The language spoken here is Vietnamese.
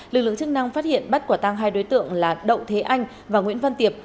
lực lượng chức năng phát hiện bắt quả tăng hai đối tượng là đậu thế anh và nguyễn văn tiệp